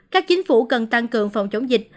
các chính phủ cần tăng cường phòng chống dịch